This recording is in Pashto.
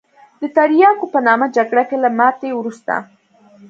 د تریاکو په نامه جګړه کې له ماتې وروسته.